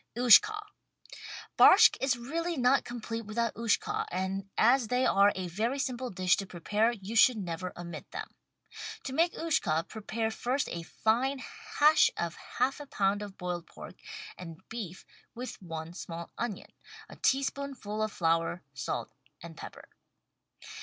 XJshka Barshck is really not complete without "Ushka," and as they are a very simple dish to prepare you should never omit them. To make "Ushka" prepare first a fine hash of half a pound of boiled pork and beef with one small onion, a tablespoonful of flour, salt and pepper.